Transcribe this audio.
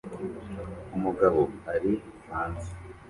Umugabo ari hanze